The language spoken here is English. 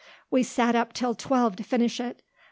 We sat up till twelve to finish it.